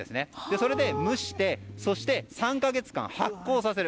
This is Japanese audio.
それで蒸してそして３か月間発酵させる。